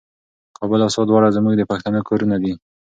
کابل او سوات دواړه زموږ د پښتنو کورونه دي.